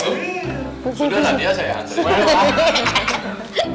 sudah nadia sayang